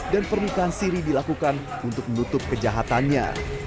dan perlukan siri dilakukan untuk menutup kejahatannya